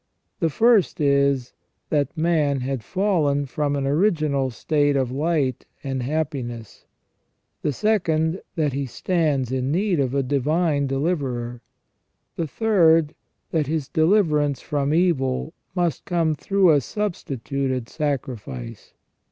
The first is, that man had fallen from an original state of light and happiness. The second, that he stands in need of a divine deliverer. The third, that his deliverance from evil must come through a substituted sacrifice.